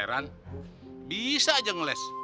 heran bisa aja ngeles